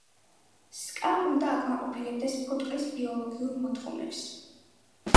სკა უნდა აკმაყოფილებდეს ფუტკრის ბიოლოგიურ მოთხოვნებს.